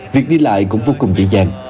việc đi lại cũng vô cùng dễ dàng